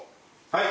はい。